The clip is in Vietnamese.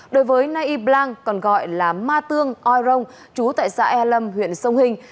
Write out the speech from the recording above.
đối với nai y blanc còn gọi là ma tương trú tại xã e lâm huyện sông hình